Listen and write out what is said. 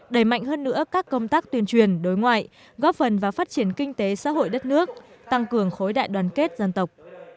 đẩy mạnh hơn nữa các công tác tuyên truyền đối ngoại góp phần vào phát triển kinh tế xã hội đất nước tăng cường khối đại đoàn kết dân tộc